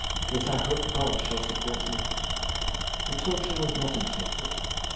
Yet I hope God shall support me." The torture was not inflicted.